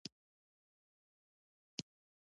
په درېیمه میلادي پېړۍ کې ټول ښارونه راچاپېر شوي وو.